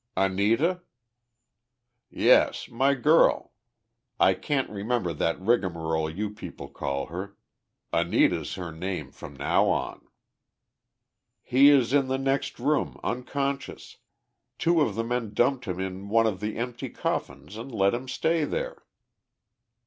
"Anita?" "Yes, my girl. I can't remember that rigmarole you people call her. Anita's her name from now on." "He is in the next room, unconscious. Two of the men dumped him in one of the empty coffins and let him stay there."